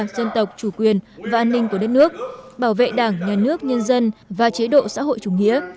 dân tộc chủ quyền và an ninh của đất nước bảo vệ đảng nhà nước nhân dân và chế độ xã hội chủ nghĩa